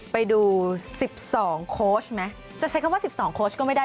ไปดู๑๒โค้ชไหมจะใช้คำว่า๑๒โค้ชก็ไม่ได้